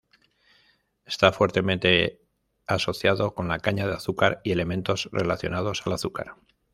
Está fuertemente asociado con la caña de azúcar y elementos relacionados al azúcar.